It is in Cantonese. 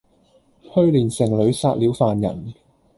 去年城裏殺了犯人，